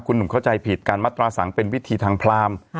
คุณหนุ่มเข้าใจผิดการมัตราสังเป็นวิธีทางพราม